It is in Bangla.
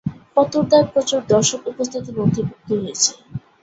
ফতোরদায় প্রচুর দর্শক উপস্থিতি নথিভুক্ত হয়েছে।